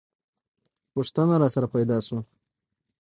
پوښتنه راسره پیدا شوه.